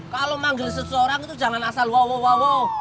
kalau manggil seseorang itu jangan asal wowo